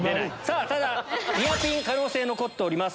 ただニアピン可能性残ってます